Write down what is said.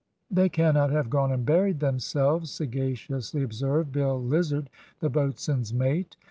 "They cannot have gone and buried themselves," sagaciously observed Bill Lizard, the boatswain's mate.